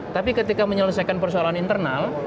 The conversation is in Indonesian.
tapi ketika menyelesaikan persoalan internal